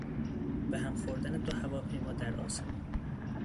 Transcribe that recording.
به هم خوردن دو هواپیما در آسمان